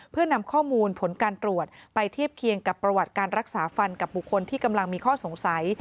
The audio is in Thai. เพื่อนำข้อมูลผลการตรวจไปเทียบเคียงกับประวัติการรักษาฟันกับบุคคลที่กำลังมีข้อสงสัย